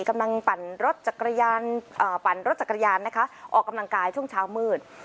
กำลังปั่นรถจักรยานนะคะออกกำลังกายช่วงเช้ามืด